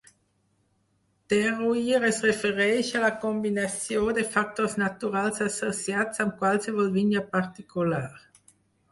Terroir es refereix a la combinació de factors naturals associats amb qualsevol vinya particular.